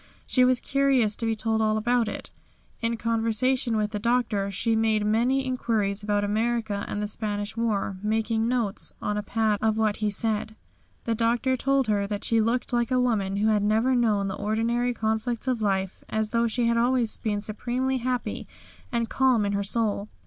She was curious to be told all about it. In conversation with the Doctor she made many inquiries about America and the Spanish war, making notes on a pad of what he said. The Doctor told her that she looked like a woman who had never known the ordinary conflicts of life, as though she had always been supremely happy and calm in her soul.